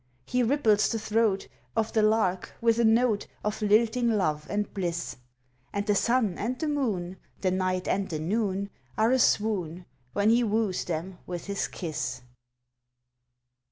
He ripples the throat Of the lark with a note Of lilting love and bliss, And the sun and the moon, the night and the noon, Are a swoon When he woos them with his kiss.